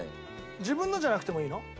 自分のじゃなくてもいいの？